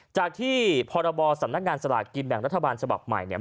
จากที่พรบสำนักงานสลากกินแบ่งรัฐบาลฉบับใหม่เนี่ย